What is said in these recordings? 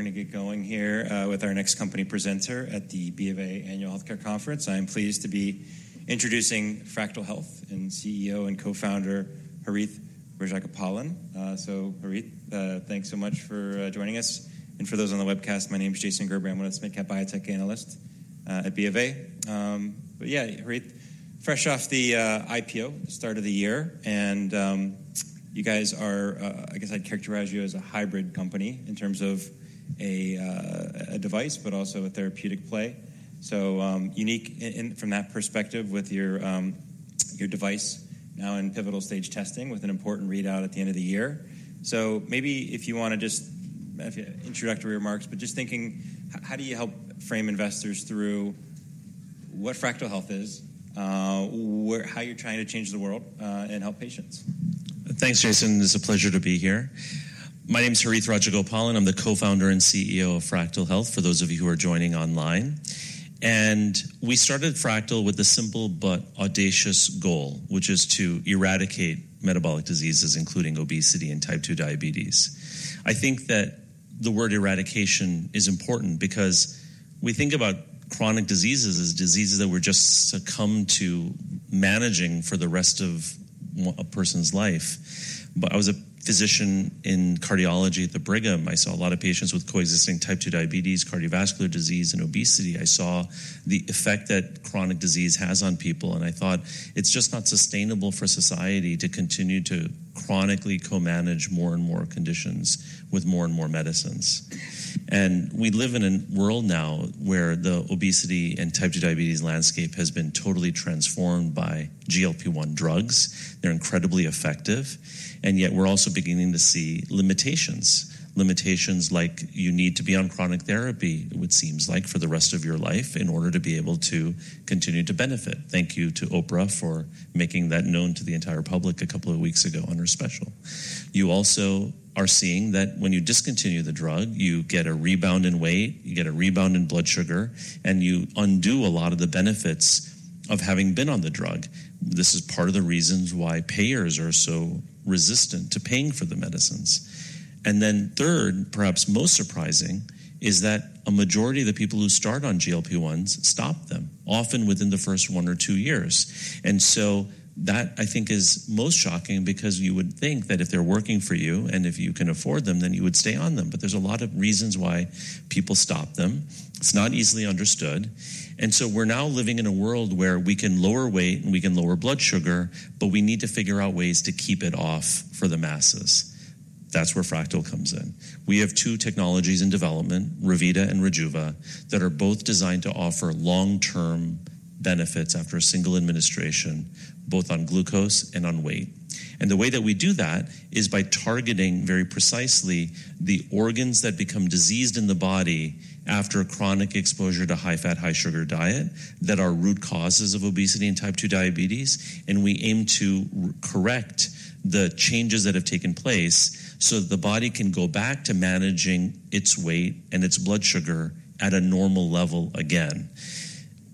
We're gonna get going here with our next company presenter at the B of A Annual Healthcare Conference. I am pleased to be introducing Fractyl Health and CEO and Co-founder, Harith Rajagopalan. So Harith, thanks so much for joining us, and for those on the webcast, my name is Jason Gerberry. I'm one of the mid-cap biotech analysts at B of A. But yeah, Harith, fresh off the IPO start of the year, and you guys are, I guess I'd characterize you as a hybrid company in terms of a device, but also a therapeutic play. So, unique from that perspective with your device now in pivotal stage testing with an important readout at the end of the year. So maybe if you wanna just introductory remarks, but just thinking, how do you help frame investors through what Fractyl Health is, where—how you're trying to change the world, and help patients? Thanks, Jason. It's a pleasure to be here. My name is Harith Rajagopalan. I'm the Co-founder and CEO of Fractyl Health, for those of you who are joining online. We started Fractyl with a simple but audacious goal, which is to eradicate metabolic diseases, including obesity and type 2 diabetes. I think that the word eradication is important because we think about chronic diseases as diseases that we're just succumb to managing for the rest of a person's life. But I was a physician in cardiology at the Brigham. I saw a lot of patients with coexisting type 2 diabetes, cardiovascular disease, and obesity. I saw the effect that chronic disease has on people, and I thought, "It's just not sustainable for society to continue to chronically co-manage more and more conditions with more and more medicines." And we live in a world now where the obesity and type 2 diabetes landscape has been totally transformed by GLP-1 drugs. They're incredibly effective, and yet we're also beginning to see limitations. Limitations like you need to be on chronic therapy; it would seem like, for the rest of your life, in order to be able to continue to benefit. Thank you to Oprah for making that known to the entire public a couple of weeks ago on her special. You also are seeing that when you discontinue the drug, you get a rebound in weight, you get a rebound in blood sugar, and you undo a lot of the benefits of having been on the drug. This is part of the reasons why payers are so resistant to paying for the medicines. And then third, perhaps most surprising, is that a majority of the people who start on GLP-1s stop them, often within the first one or two years. And so that, I think, is most shocking because you would think that if they're working for you and if you can afford them, then you would stay on them. But there's a lot of reasons why people stop them. It's not easily understood. And so we're now living in a world where we can lower weight and we can lower blood sugar, but we need to figure out ways to keep it off for the masses. That's where Fractyl comes in. We have two technologies in development, Revita and Rejuva, that are both designed to offer long-term benefits after a single administration, both on glucose and on weight. And the way that we do that is by targeting very precisely the organs that become diseased in the body after a chronic exposure to high-fat, high-sugar diet, that are root causes of obesity and type 2 diabetes, and we aim to correct the changes that have taken place so the body can go back to managing its weight and its blood sugar at a normal level again.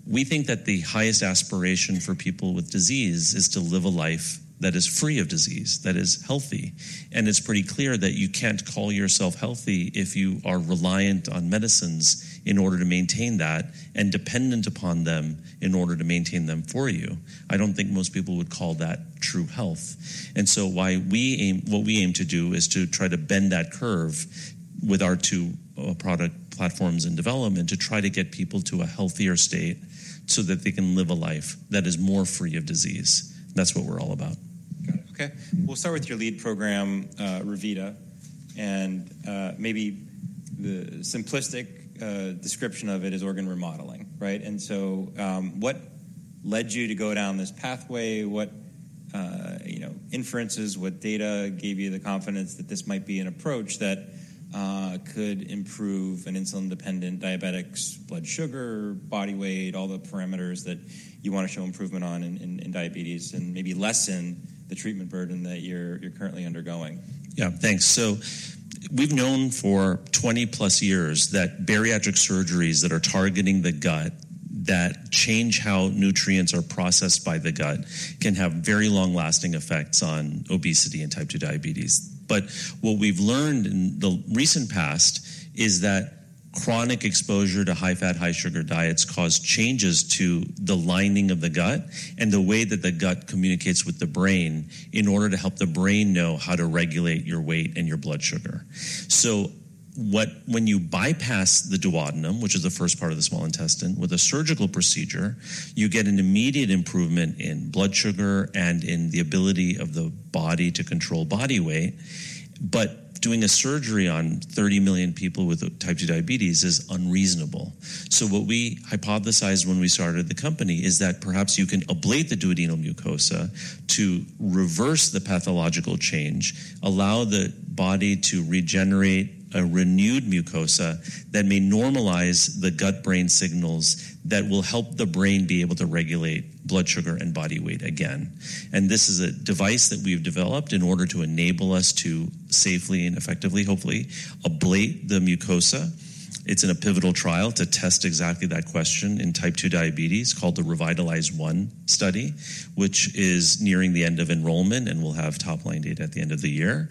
We think that the highest aspiration for people with disease is to live a life that is free of disease, that is healthy. It's pretty clear that you can't call yourself healthy if you are reliant on medicines in order to maintain that and dependent upon them in order to maintain them for you. I don't think most people would call that true health. What we aim to do is to try to bend that curve with our two product platforms in development, to try to get people to a healthier state so that they can live a life that is more free of disease. That's what we're all about. Got it. Okay. We'll start with your lead program, Revita, and maybe the simplistic description of it is organ remodeling, right? And so, what led you to go down this pathway? What, you know, inferences, what data gave you the confidence that this might be an approach that could improve an insulin-dependent diabetic's blood sugar, body weight, all the parameters that you wanna show improvement on in diabetes, and maybe lessen the treatment burden that you're currently undergoing? Yeah, thanks. So we've known for 20+ years that bariatric surgeries that are targeting the gut, that change how nutrients are processed by the gut, can have very long-lasting effects on obesity and type 2 diabetes. But what we've learned in the recent past is that chronic exposure to high-fat, high-sugar diets cause changes to the lining of the gut and the way that the gut communicates with the brain in order to help the brain know how to regulate your weight and your blood sugar. So, when you bypass the duodenum, which is the first part of the small intestine, with a surgical procedure, you get an immediate improvement in blood sugar and in the ability of the body to control body weight, but doing a surgery on 30 million people with type 2 diabetes is unreasonable. So what we hypothesized when we started the company is that perhaps you can ablate the duodenal mucosa to reverse the pathological change, allow the body to regenerate a renewed mucosa that may normalize the gut-brain signals that will help the brain be able to regulate blood sugar and body weight again. And this is a device that we've developed in order to enable us to safely and effectively, hopefully, ablate the mucosa. It's in a pivotal trial to test exactly that question in type two diabetes, called the Revitalize One study, which is nearing the end of enrollment and will have top-line data at the end of the year.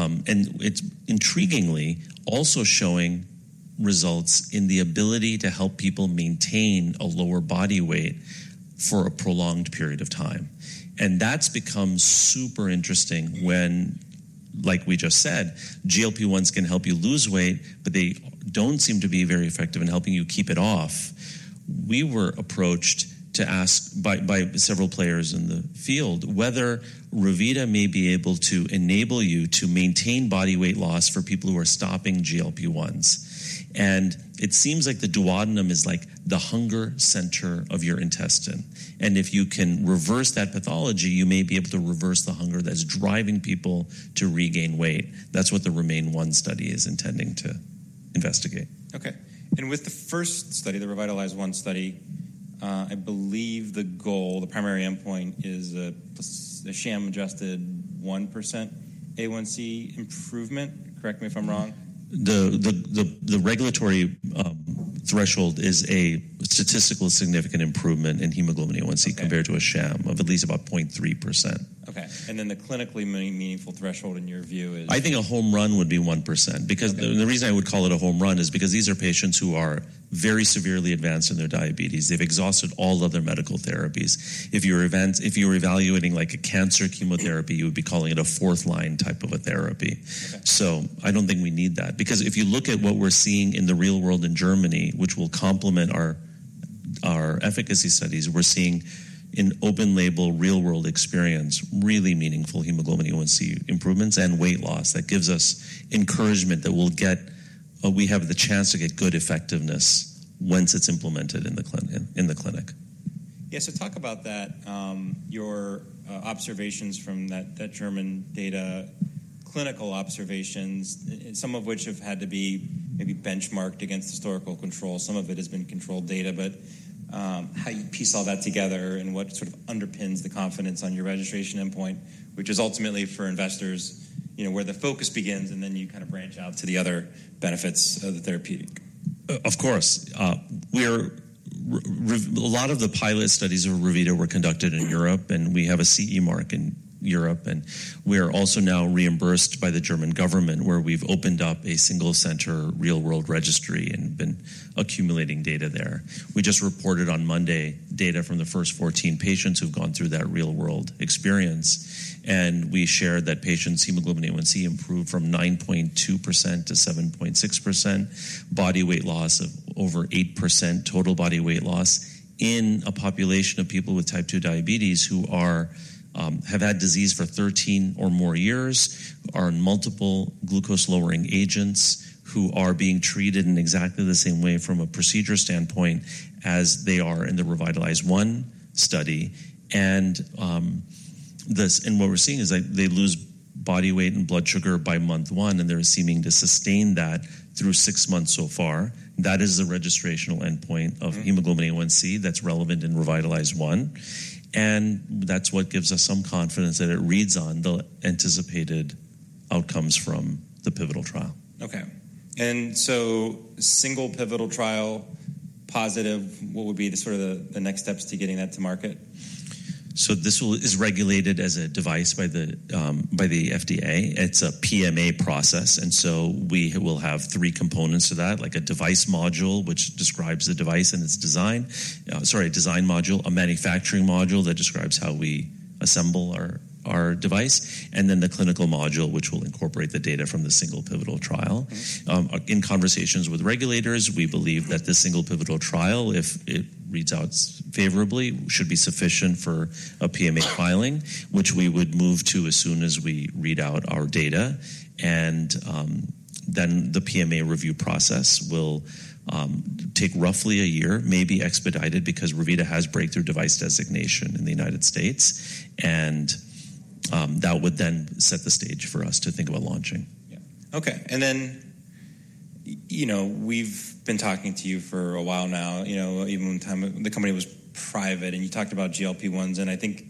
And it's intriguingly also showing results in the ability to help people maintain a lower body weight for a prolonged period of time. And that's become super interesting when, like we just said, GLP-1s can help you lose weight, but they don't seem to be very effective in helping you keep it off. We were approached to ask by, by several players in the field whether Revita may be able to enable you to maintain body weight loss for people who are stopping GLP-1s. And it seems like the duodenum is like the hunger center of your intestine, and if you can reverse that pathology, you may be able to reverse the hunger that's driving people to regain weight. That's what the REMAIN-1 study is intending to investigate. Okay. And with the first study, the Revitalize-1 study, I believe the goal, the primary endpoint, is the sham-adjusted 1% A1C improvement. Correct me if I'm wrong. The regulatory threshold is a statistically significant improvement in hemoglobin A1c- Okay - compared to a sham of at least about 0.3%. Okay. And then the clinically meaningful threshold in your view is? I think a home run would be 1%, because- Okay. The reason I would call it a home run is because these are patients who are very severely advanced in their diabetes. They've exhausted all other medical therapies. If you were evaluating like a cancer chemotherapy, you would be calling it a fourth-line type of a therapy. Okay. I don't think we need that. Because if you look at what we're seeing in the real world in Germany, which will complement our efficacy studies, we're seeing in open label, real-world experience, really meaningful hemoglobin A1C improvements and weight loss. That gives us encouragement that we'll get. We have the chance to get good effectiveness once it's implemented in the clinic. Yeah, so talk about that, your observations from that German data, clinical observations, some of which have had to be maybe benchmarked against historical control. Some of it has been controlled data, but, how you piece all that together and what sort of underpins the confidence on your registration endpoint, which is ultimately for investors, you know, where the focus begins, and then you kind of branch out to the other benefits of the therapeutic. Of course. A lot of the pilot studies of Revita were conducted in Europe, and we have a CE mark in Europe, and we are also now reimbursed by the German government, where we've opened up a single-center real-world registry and been accumulating data there. We just reported on Monday data from the first 14 patients who've gone through that real-world experience, and we shared that patients' hemoglobin A1C improved from 9.2% to 7.6%, body weight loss of over 8%, total body weight loss, in a population of people with type two diabetes who are, have had disease for 13 or more years, are on multiple glucose-lowering agents, who are being treated in exactly the same way from a procedure standpoint as they are in the Revitalize-1 study. And what we're seeing is that they lose body weight and blood sugar by month 1, and they're seeming to sustain that through 6 months so far. That is the registrational endpoint. Mm-hmm. of hemoglobin A1C that's relevant in Revitalize-1, and that's what gives us some confidence that it reads on the anticipated outcomes from the pivotal trial. Okay. And so single pivotal trial, positive, what would be the sort of the next steps to getting that to market? So this is regulated as a device by the FDA. It's a PMA process, and so we will have three components to that, like a device module, which describes the device and its design. Sorry, a design module, a manufacturing module that describes how we assemble our device, and then the clinical module, which will incorporate the data from the single pivotal trial. Mm-hmm. In conversations with regulators, we believe that this single pivotal trial, if it reads out favorably, should be sufficient for a PMA filing, which we would move to as soon as we read out our data. Then the PMA review process will take roughly a year, maybe expedited, because Revita has breakthrough device designation in the United States, and that would then set the stage for us to think about launching. Yeah. Okay. And then, you know, we've been talking to you for a while now, you know, even at the time, the company was private, and you talked about GLP-1s, and I think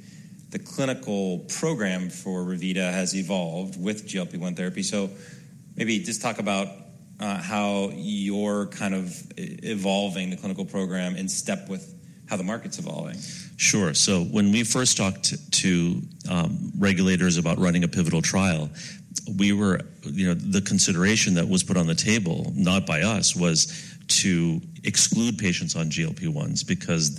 the clinical program for Revita has evolved with GLP-1 therapy. So maybe just talk about how you're kind of evolving the clinical program in step with how the market's evolving. Sure. So when we first talked to regulators about running a pivotal trial, we were... You know, the consideration that was put on the table, not by us, was to exclude patients on GLP-1s because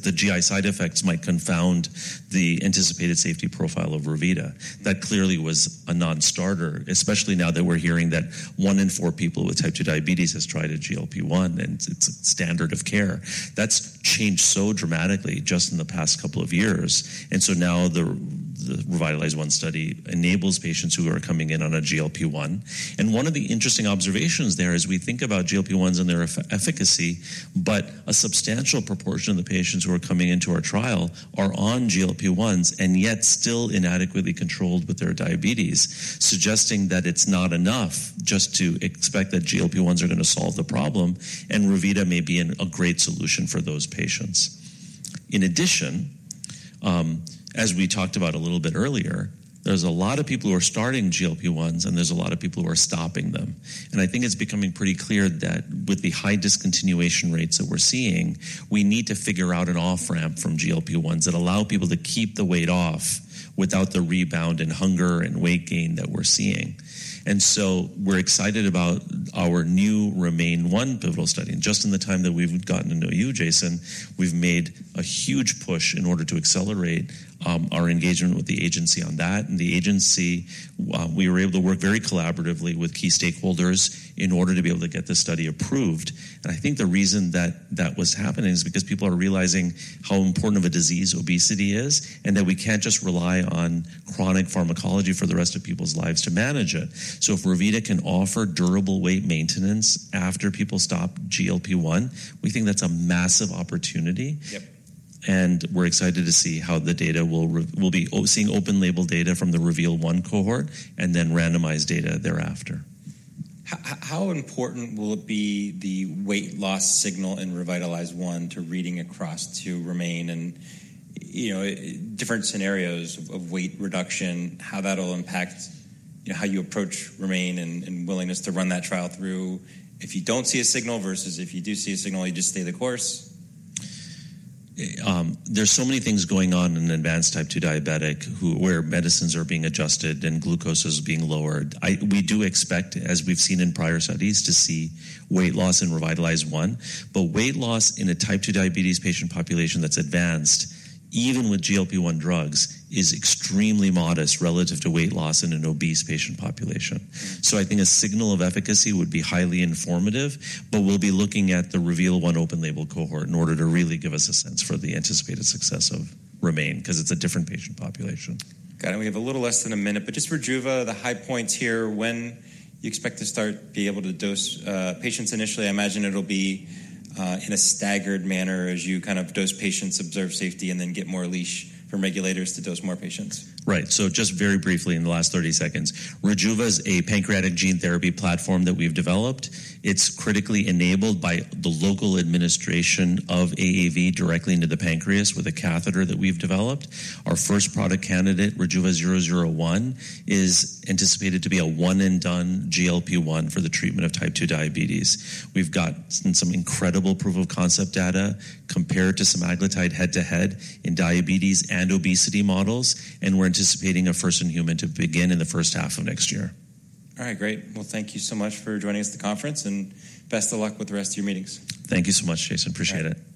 the GI side effects might confound the anticipated safety profile of Revita. That clearly was a non-starter, especially now that we're hearing that one in four people with type two diabetes has tried a GLP-1, and it's a standard of care. That's changed so dramatically just in the past couple of years, and so now the Revitalize-1 study enables patients who are coming in on a GLP-1. One of the interesting observations there is we think about GLP-1s and their efficacy, but a substantial proportion of the patients who are coming into our trial are on GLP-1s and yet still inadequately controlled with their diabetes, suggesting that it's not enough just to expect that GLP-1s are gonna solve the problem, and Revita may be an, a great solution for those patients. In addition, as we talked about a little bit earlier, there's a lot of people who are starting GLP-1s, and there's a lot of people who are stopping them. And I think it's becoming pretty clear that with the high discontinuation rates that we're seeing, we need to figure out an off-ramp from GLP-1s that allow people to keep the weight off without the rebound in hunger and weight gain that we're seeing. So we're excited about our new REMAIN-1 pivotal study. Just in the time that we've gotten to know you, Jason, we've made a huge push in order to accelerate our engagement with the agency on that. The agency, we were able to work very collaboratively with key stakeholders in order to be able to get this study approved. I think the reason that that was happening is because people are realizing how important of a disease obesity is, and that we can't just rely on chronic pharmacology for the rest of people's lives to manage it. So if Revita can offer durable weight maintenance after people stop GLP-1, we think that's a massive opportunity. Yep. And we're excited to see how the data will. We'll be seeing open-label data from the REVEAL-1 cohort and then randomized data thereafter. How important will it be, the weight loss signal in Revitalize-1, to reading across to REMAIN-1 and, you know, different scenarios of weight reduction, how that'll impact, you know, how you approach REMAIN-1 and willingness to run that trial through? If you don't see a signal versus if you do see a signal, you just stay the course. There's so many things going on in an advanced Type 2 diabetic, who, where medicines are being adjusted and glucose is being lowered. We do expect, as we've seen in prior studies, to see weight loss in Revitalize-1. But weight loss in a Type 2 diabetes patient population that's advanced, even with GLP-1 drugs, is extremely modest relative to weight loss in an obese patient population. So I think a signal of efficacy would be highly informative, but we'll be looking at the REVEAL-1 open-label cohort in order to really give us a sense for the anticipated success of REMAIN-1, 'cause it's a different patient population. Got it. We have a little less than a minute, but just Rejuva, the high points here. When you expect to start, be able to dose patients initially? I imagine it'll be in a staggered manner as you kind of dose patients, observe safety, and then get more leash from regulators to dose more patients. Right. So just very briefly in the last 30 seconds. Rejuva is a pancreatic gene therapy platform that we've developed. It's critically enabled by the local administration of AAV directly into the pancreas with a catheter that we've developed. Our first product candidate, Rejuva 001, is anticipated to be a one-and-done GLP-1 for the treatment of Type 2 diabetes. We've got some incredible proof of concept data compared to semaglutide head-to-head in diabetes and obesity models, and we're anticipating a first in human to begin in the first half of next year. All right, great. Well, thank you so much for joining us at the conference, and best of luck with the rest of your meetings. Thank you so much, Jason. Appreciate it.